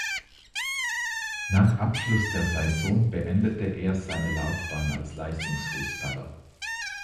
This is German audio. Nach Abschluss der Saison beendete er seine Laufbahn als Leistungsfußballer.